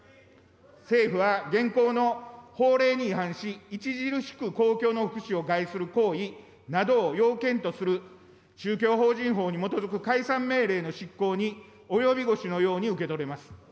政府は現行の法令に違反し、著しく公共の福祉を害する行為などを要件とする宗教法人法に基づく解散命令の執行に及び腰のように受け取れます。